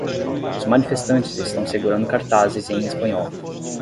Os manifestantes estão segurando cartazes em espanhol.